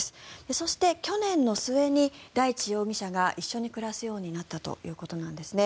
そして、去年の末に大地容疑者が一緒に暮らすようになったということなんですね。